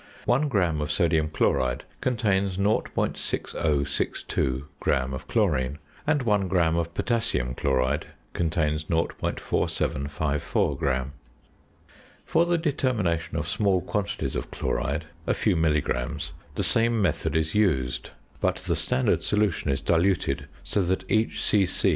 One gram of sodium chloride contains 0.6062 gram of chlorine; and 1 gram of potassium chloride contains 0.4754 gram. For the determination of small quantities of chloride (a few milligrams), the same method is used; but the standard solution is diluted so that each c.c.